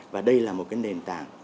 và đây là một nền tảng rất quan trọng